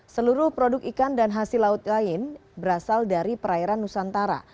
seluruh produk ikan dan hasil laut lain berasal dari perairan nusantara